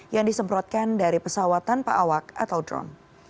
yang disemprotkan dari pesawat tanpa awak atau drone